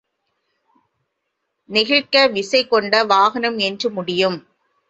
நெகிழ்க்க விசை கொண்ட வாகனம் என்று முடியும்.